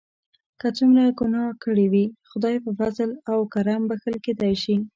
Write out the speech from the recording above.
که څومره ګناه کړي وي خدای په فضل او کرم بښل کیدای شي.